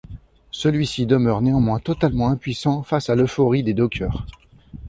Celui-ci demeure néanmoins totalement impuissant face à l'euphorie des dockers.